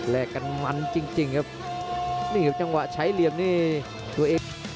กันมันจริงจริงครับนี่ครับจังหวะใช้เหลี่ยมนี่ตัวเอง